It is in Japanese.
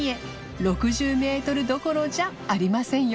６０メートルどころじゃありませんよ